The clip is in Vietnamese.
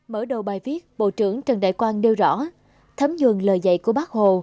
mở đầu bài viết bộ trưởng trần đại quang đeo rõ thấm dường lời dạy của bác hồ